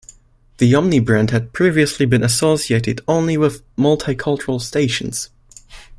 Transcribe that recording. The Omni brand had previously been associated only with multicultural stations.